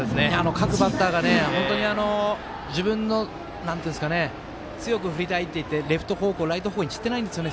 各バッターが本当に自分の強く振りたいっていってレフト方向、ライト方向にしてないんですよね。